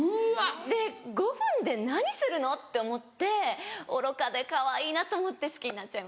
で５分で何するの？って思って愚かでかわいいなと思って好きになっちゃいました。